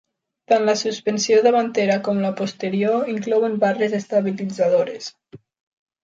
Tant la suspensió davantera com la posterior inclouen barres estabilitzadores.